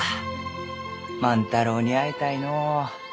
万太郎に会いたいのう。